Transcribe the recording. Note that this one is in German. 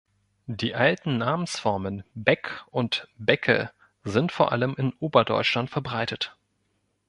Die alten Namensformen "Beck" und "Becke" sind vor allem in Oberdeutschland verbreitet.